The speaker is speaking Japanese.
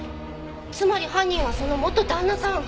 つまり犯人はその元旦那さん！